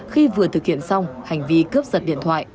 khi vừa thực hiện xong hành vi cướp giật điện thoại